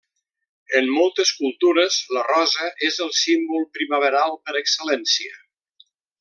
En moltes cultures, la rosa és el símbol primaveral per excel·lència.